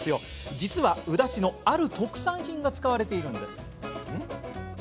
実は、宇陀市のある特産品が使われているんです。